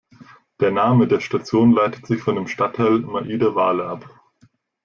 Der Name der Station leitet sich von dem Stadtteil Maida Vale ab.